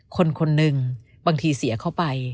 คนคนหนึ่งบางทีเสียเข้าไป